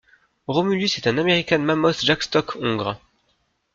Romulus est un American Mammoth Jackstock hongre.